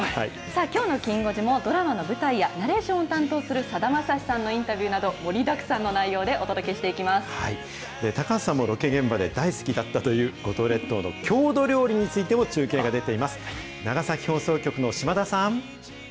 きょうのきん５時もドラマの舞台やナレーションを担当するさだまさしさんのインタビューなど、盛りだくさんの内容でお届けしてい高橋さんもロケ現場で大好きだったという五島列島の郷土料理についても中継が出ています。